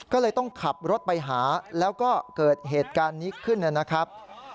ก็เลยต้องขับรถไปหาแล้วก็เกิดเหตุการณ์นี้ขึ้นนะครับ